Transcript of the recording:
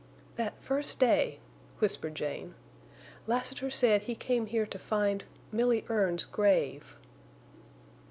"That first day," whispered Jane, "Lassiter said he came here to find—Milly Erne's grave!"